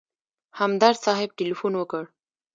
همدرد صاحب تیلفون وکړ.